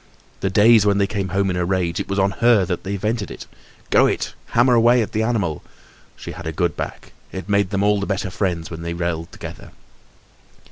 The days when they came home in a rage, it was on her that they vented it. Go it! hammer away at the animal! She had a good back; it made them all the better friends when they yelled together.